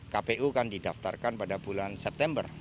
kpu kan didaftarkan pada bulan september